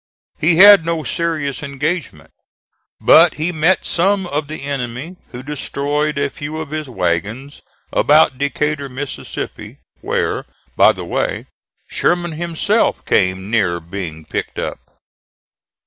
He had no serious engagement; but he met some of the enemy who destroyed a few of his wagons about Decatur, Mississippi, where, by the way, Sherman himself came near being picked up.